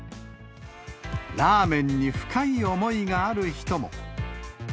ラーメンに深い思いがある人も。